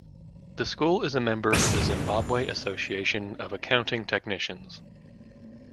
The school is a member of the Zimbabwe Association of Accounting Technicians.